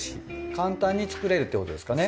簡単に作れるってことですかね。